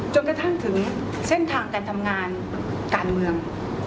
จนกระทั่งถึงเส้นทางการทำงานการเมือง